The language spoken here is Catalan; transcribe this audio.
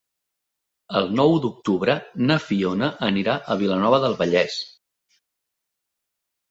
El nou d'octubre na Fiona anirà a Vilanova del Vallès.